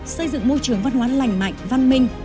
xây dựng môi trường văn hóa lành mạnh văn minh